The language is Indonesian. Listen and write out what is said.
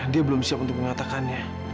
dia belum siap untuk mengatakannya